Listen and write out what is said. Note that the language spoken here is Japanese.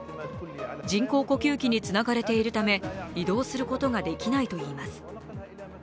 人工呼吸器につながれているため移動することができないといいます。